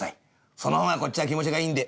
「その方がこっちは気持ちがいいんで。